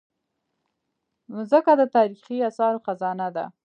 مځکه د تاریخي اثارو خزانه ده.